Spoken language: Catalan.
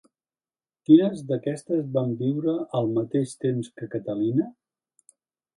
Quines d'aquestes van viure al mateix temps que Catalina?